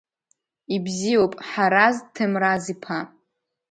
Ибзиоуп, Ҳараз Ҭемраз-иԥа.